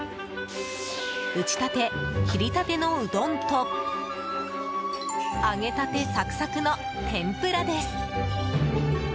打ちたて、切りたてのうどんと揚げたてサクサクの天ぷらです。